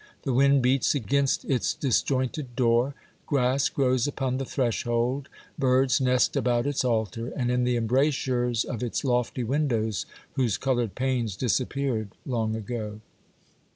The wind beats against its disjointed door, grass grows upon the threshold, birds nest about its altar and in the embrasures of its lofty windows whose colored panes disappeared long ago.